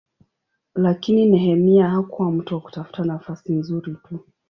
Lakini Nehemia hakuwa mtu wa kutafuta nafasi nzuri tu.